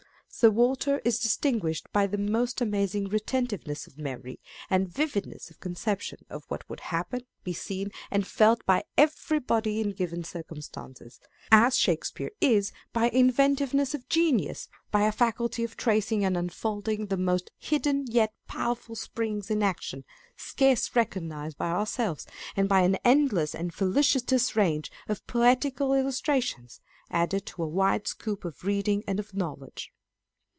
Sir Walter is distinguished by the most amazing retentive ness of memory, and vividness of conception of what would happen, be seen, and felt by everybody in given circumstances ; as Shakespeare is by inventiveness of Scott, Eacine, and Shakespeare. 485 genius, by a faculty of tracing and unfolding the most hidden yet powerful springs of action, scarce recognised by ourselves, and by an endless and felicitous range of poetical illustration, added to a wide scope of reading and of knowledge.